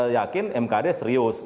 yakin mkd serius